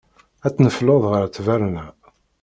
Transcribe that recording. Ad tnefleḍ ɣer ttberna.